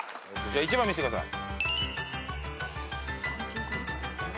１番見してください。